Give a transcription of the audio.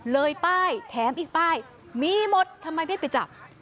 เลยไปแถมอีกไปมีหมดทำไมไม่ไปจับ